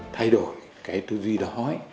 thay đổi cái tư duy đó